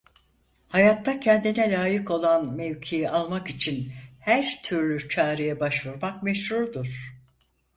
Hayatta kendine layık olan mevkii almak için her türlü çareye başvurmak meşrudur.